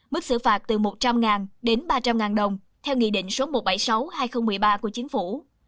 mức xử phạt từ một trăm linh đến ba trăm linh đồng theo nghị định số một trăm bảy mươi sáu hai nghìn một mươi ba của chính phủ